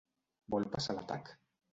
Vol passar a l'atac?